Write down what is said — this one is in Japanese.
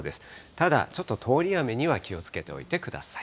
ただちょっと通り雨には気をつけておいてください。